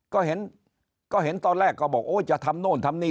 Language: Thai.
ก็เห็นก็เห็นตอนแรกก็บอกโอ้ยจะทำโน่นทำนี่